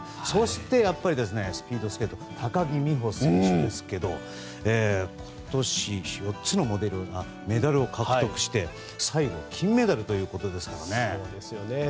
そして、やっぱりスピードスケート高木美帆選手ですけど今年４つのメダルを獲得して最後金メダルということですからね。